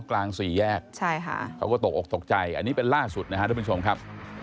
กลางสี่แยกใช่ค่ะเขาก็ตกออกตกใจอันนี้เป็นล่าสุดนะครับทุกผู้ชมครับ